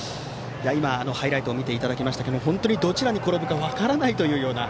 今、ハイライトを見ていただきましたが本当に、どちらに転ぶか分からないというような。